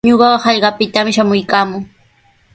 Ñuqaqa hallqapitami shamuykaamuu.